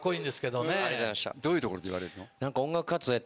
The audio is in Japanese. どういうところで言われるの？